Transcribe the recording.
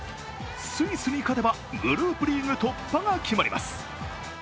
スイスに勝てばグループリーグ突破が決まります。